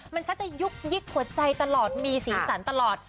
มันชักจะยุกยิกหัวใจตลอดมีสีสันตลอด